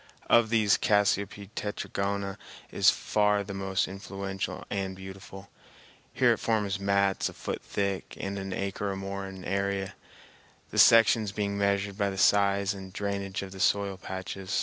Of these, Cassiope tetragona is far the most influential and beautiful. Here it forms mats a foot thick and an acre or more in area, the sections being measured by the size and drainage of the soil patches.